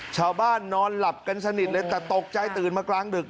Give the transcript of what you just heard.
นอนหลับกันสนิทเลยแต่ตกใจตื่นมากลางดึก